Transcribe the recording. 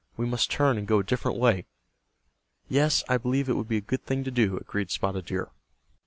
We must turn and go a different way." "Yes, I believe it would be a good thing to do," agreed Spotted Deer.